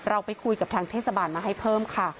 เราไปคุยกับทางเทศบาลมาให้เพิ่มค่ะ